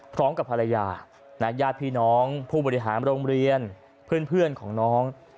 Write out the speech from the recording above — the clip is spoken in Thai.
พร้อมกับภรรยาญาติพี่น้องผู้บริหารโรงเรียนเพื่อนของน้อง